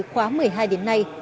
khóa một mươi hai đến nay